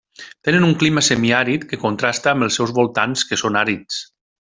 Tenen un clima semiàrid que contrasta amb els seus voltants que són àrids.